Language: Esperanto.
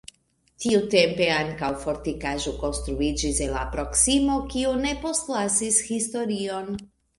Tiutempe ankaŭ fortikaĵo konstruiĝis en la proksimo, kiu ne postlasis historion.